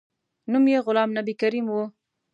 نوم یې غلام نبي کریمي و.